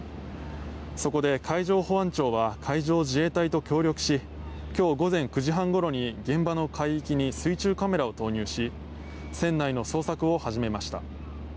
そこで海上保安庁は海上自衛隊と協力し今日午前９時半ごろに現場の海域に水中カメラを投入し船内の捜索を始めました。